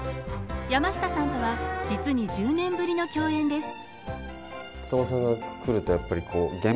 山下さんとは実に１０年ぶりの共演です。